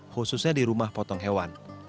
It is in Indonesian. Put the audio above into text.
khususnya di rumah potong hewan